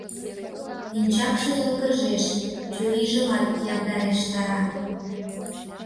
Пинчакше йылгыжеш, чурийжымат яндарештара.